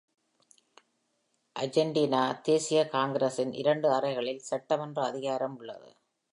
Argentina தேசிய காங்கிரசின் இரண்டு அறைகளில் சட்டமன்ற அதிகாரம் உள்ளது.